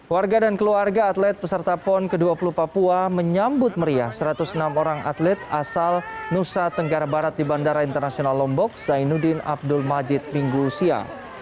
warga dan keluarga atlet peserta pon ke dua puluh papua menyambut meriah satu ratus enam orang atlet asal nusa tenggara barat di bandara internasional lombok zainuddin abdul majid minggu usia